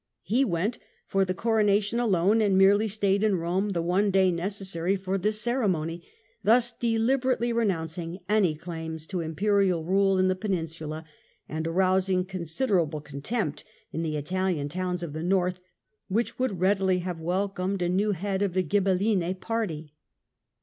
He went for the coronation alone and merely stayed in Rome the one day necessary for this ceremony ; thus deliberately renouncing any claims to Imperial rule in the Peninsula, and arousing consider able contempt in the Italian towns of the north, which would readily have welcomed a new head of the GhibeL line party.